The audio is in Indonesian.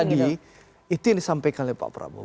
jadi itu yang disampaikan oleh pak prabowo